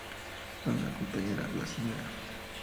La nueva compañera, la Sra.